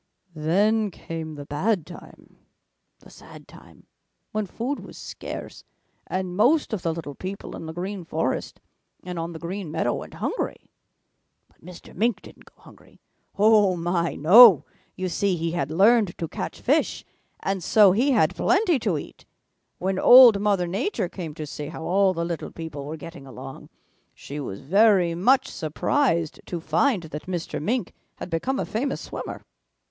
"Then came the bad time, the sad time, when food was scarce, and most of the little people in the Green Forest and on the Green Meadow went hungry. But Mr. Mink didn't go hungry. Oh, my, no! You see, he had learned to catch fish, and so he had plenty to eat. When Old Mother Nature came to see how all the little people were getting along, she was very much surprised to find that Mr. Mink had become a famous swimmer.